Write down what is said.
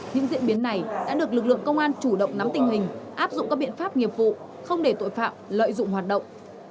những diễn biến này đã được lực lượng công an chủ động nắm tình hình áp dụng các biện pháp nghiệp vụ không để tội phạm lợi dụng hoạt động